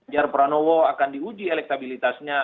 jar pranowo akan diuji elektabilitasnya